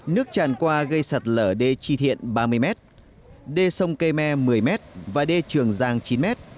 nước tràn qua gây sạt lở đê tri thiện ba mươi m đê sông cây me một mươi m và đê trường giang chín mét